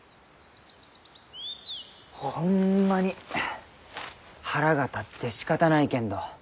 ホンマに腹が立ってしかたないけんど。